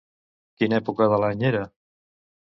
Quina època de l'any era?